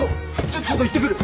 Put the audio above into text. ちょっと行ってくる。